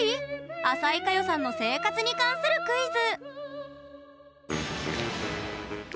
淺井カヨさんの生活に関するクイズ！